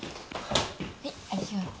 はいありがと。